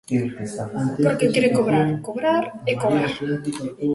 Porque quere cobrar, cobrar e cobrar.